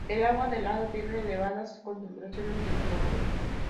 El agua del lago tiene elevadas concentraciones de cloruro.